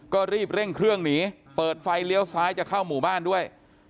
ก็รีบเร่งเครื่องหนีเปิดไฟเลี้ยวซ้ายจะเข้าหมู่บ้านด้วย